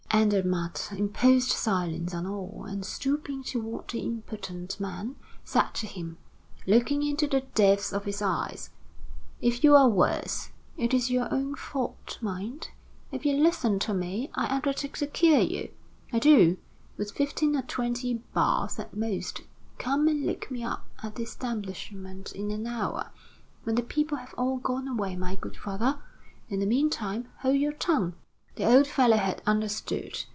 Andermatt imposed silence on all, and stooping toward the impotent man, said to him, looking into the depths of his eyes: "If you are worse, it is your own fault, mind. If you listen to me, I undertake to cure you, I do, with fifteen or twenty baths at most. Come and look me up at the establishment in an hour, when the people have all gone away, my good father. In the meantime, hold your tongue." The old fellow had understood.